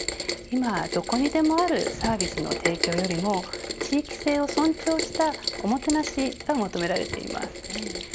今、どこにでもあるサービスの提供よりも地域性を尊重したおもてなしが求められています。